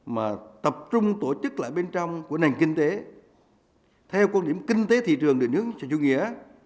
mà tập trung tổ chức lại bên trong của nền kinh tế theo quan điểm kinh tế thị trường đối với chủ nghĩa